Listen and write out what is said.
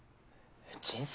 人生？